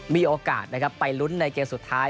มีโอกาสนะครับไปลุ้นในเกมสุดท้าย